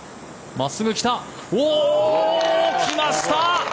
真っすぐ来た！来ました！